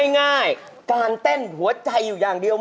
ง่ายการเต้นหัวใจอยู่อย่างเดียว